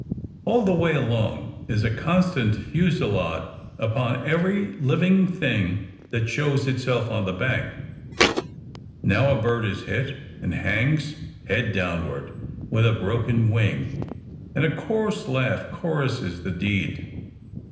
All the way along is a constant fusillade upon every living thing that shows itself on the bank. Now a bird is hit, and hangs, head downward, with a broken wing; and a coarse laugh choruses the deed.